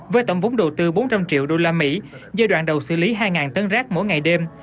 với tổng vốn đầu tư bốn trăm linh triệu usd giai đoạn đầu xử lý hai tấn rác mỗi ngày đêm